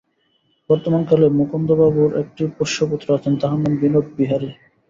বর্তমান কালে মুকুন্দবাবুর একটি পোষ্যপুত্র আছেন, তাঁহার নাম বিনোদবিহারী।